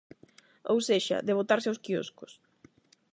Ou sexa, de botarse aos quioscos.